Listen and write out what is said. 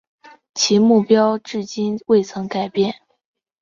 其目标至今未曾改变。